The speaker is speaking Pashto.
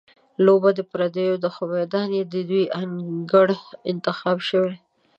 لوبه د پردیو ده، خو میدان یې د دوی انګړ انتخاب شوی.